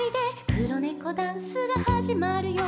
「くろネコダンスがはじまるよ」